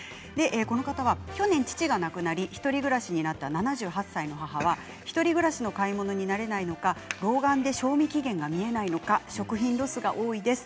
この方は去年、父が亡くなり１人暮らしになった７８歳の母は１人暮らしの買い物に慣れないのか老眼で賞味期限が見えないのか食品ロスが多いです。